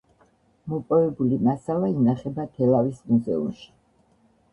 მოპოვებული მასალა ინახება თელავის მუზეუმში.